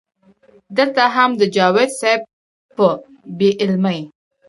دلته هم د جاوېد صېب پۀ بې علمۍ